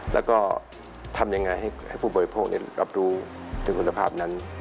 แล้วก็ทำยังไงให้ผู้บริโภครับรู้ถึงคุณภาพนั้น